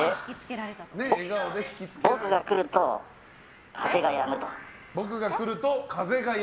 僕が来ると、風がやむと。